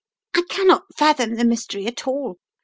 "I cannot fathom the mystery at all.